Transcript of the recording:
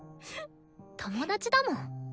友達だもん。